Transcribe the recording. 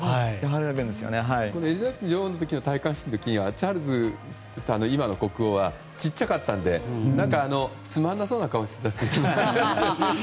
エリザベス女王の戴冠式の時にはチャールズさん、今の国王は小さかったのでつまらなそうな顔をしていましたね。